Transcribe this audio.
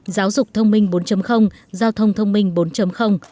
giáo dục thông minh bốn giao thông thông minh bốn